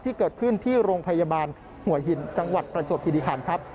ที่เกิดขึ้นที่โรงพยาบาลหัวหินจังหวัดประจวบคิริคันครับ